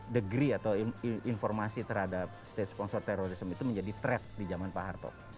degree atau informasi terhadap state sponsored terrorism itu menjadi threat di jaman pak harto